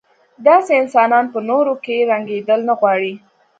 داسې انسانان په نورو کې رنګېدل نه غواړي.